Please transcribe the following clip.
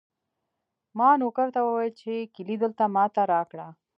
ما نوکر ته وویل چې کیلي دلته ما ته راکړه.